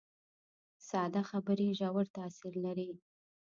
ساده خبرې ژور تاثیر لري